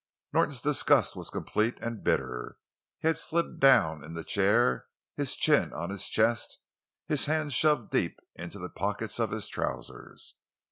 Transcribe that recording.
Norton's disgust was complete and bitter; he had slid down in the chair, his chin on his chest, his hands shoved deep into the pockets of his trousers.